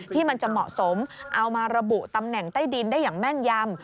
ที่มันจะเหมาะสมเอามาระบุตำแหน่งใต้ดินได้อย่างแม่นยำ